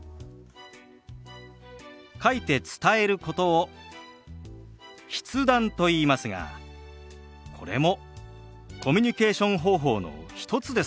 書いて伝えることを「筆談」といいますがこれもコミュニケーション方法の一つですから。